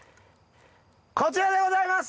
こちらでございます！